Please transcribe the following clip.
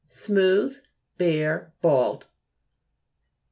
Smooth, bare, bald.